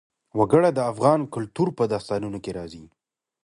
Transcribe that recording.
وګړي د افغان کلتور په داستانونو کې راځي.